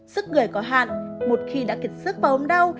sức người có hạn một khi đã kiệt sức vào ốm đau